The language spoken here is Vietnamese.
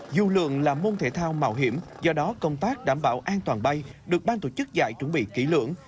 dù lượng là môn thể thao mạo hiểm do đó công tác đảm bảo an toàn bay được ban tổ chức giải chuẩn bị kỹ lưỡng